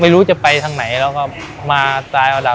ไม่รู้จะไปทางไหนแล้วก็มาสายอดาบหน้ามาสู้ครับ